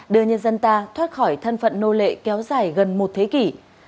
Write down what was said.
đưa nhân dân ta thoát khỏi thân phận nô lệ kéo dài gần một thế kỷ